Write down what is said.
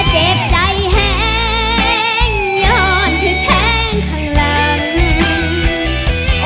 หากเจ็บใจแห๊งยอหอดทุกแข็งข้างล่าง